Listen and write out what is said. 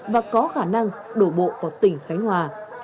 và có khả năng đổ bộ vào tỉnh khánh hòa